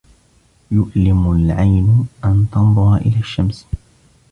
يُؤْلِمُ الْعَيْنُ أَنَّ تَنْظُرَ إِلَى الشَّمْسِ.